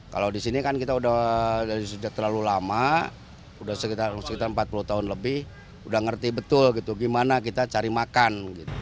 kalau di sini kan kita udah dari sejak terlalu lama sudah sekitar empat puluh tahun lebih udah ngerti betul gitu gimana kita cari makan